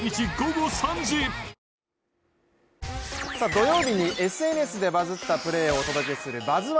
土曜日にＳＮＳでバズったプレーをお届けする「バズ☆１」